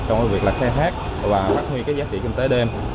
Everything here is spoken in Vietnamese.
trong cái việc là khe hát và phát huy cái giá trị kinh tế đêm